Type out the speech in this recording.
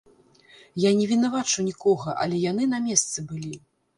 Я не вінавачу нікога, але яны на месцы былі.